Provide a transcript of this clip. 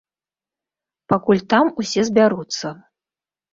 Пакуль там усе збяруцца.